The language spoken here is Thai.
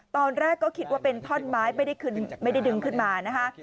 ตอนแรกก็คิดว่าเป็นท่อนไม้ไม่ได้ดึงขึ้นมานะคะ